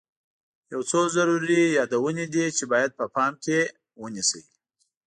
یو څو ضروري یادونې دي چې باید په پام کې ونیسئ.